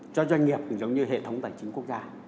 cho doanh nghiệp thì giống như hệ thống tài chính quốc gia